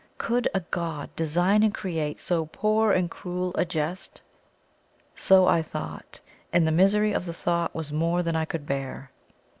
Could a God design and create so poor and cruel a jest? So I thought and the misery of the thought was more than I could bear.